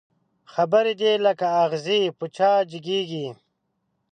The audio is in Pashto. خبري دي لکه اغزي په چا جګېږي